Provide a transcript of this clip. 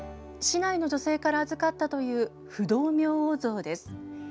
市内の女性から預かったという不動明王像です。